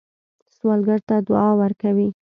سوالګر ته دعا ورکوئ